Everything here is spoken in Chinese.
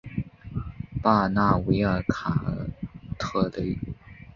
巴尔纳维尔卡尔特雷。